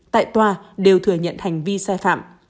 tại tòa đều thừa nhận hành vi sai phạm